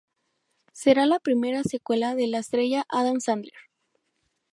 Será la primera secuela de la estrella Adam Sandler.